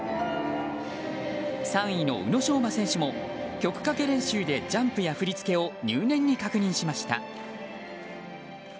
３位の宇野昌磨選手も曲かけ練習でジャンプや振り付けを入念に確認しました。